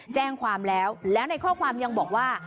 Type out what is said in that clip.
แจ้งความแล้วแล้วในข้อความยังบอกว่า